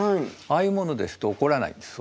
ああいうものですと起こらないんです